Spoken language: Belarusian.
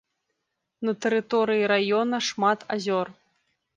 На тэрыторыі раёна шмат азёр.